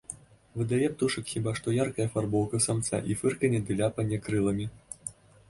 Выдае птушак хіба што яркая афарбоўка самца і фырканне ды ляпанне крыламі.